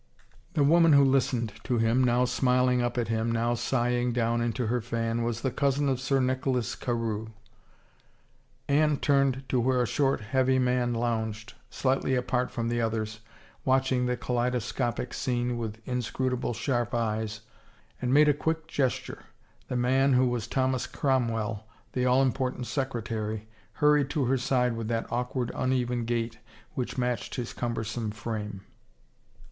The woman who lis tened to him, now smiling up at him, now sighing down into her fan, was the cousin of Sir Nicholas Carewe. Anne turned to where a short, heavy man lounged, 278 A RIVAL FLOUTED slightly apart from the others, watching the kaleidoscopic scene with inscrutable sharp eyes, and made a quick ges ture. The man, who was Thomas Cromwell, the all important secretary, hurried to her side with that awk ward, uneven gait which matched his cumbersome frame.